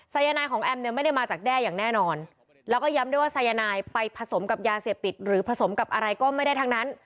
สายนายของแอมเนี่ยไม่ได้มาจากแด้อย่างแน่นอนแล้วก็ย้ำด้วยว่าสายนายไปผสมกับยาเสพติดหรือผสมกับอะไรก็ไม่ได้ทั้งนั้น